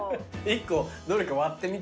１個どれか割ってみてよ。